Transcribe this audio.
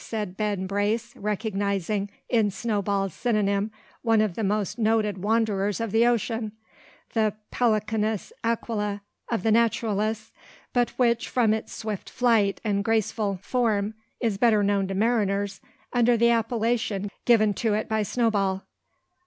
said Ben Brace, recognising in Snowball's synonyme one of the most noted wanderers of the ocean, the Pelicanus aquila of the naturalists, but which, from its swift flight and graceful form, is better known to mariners under the appellation given to it by Snowball.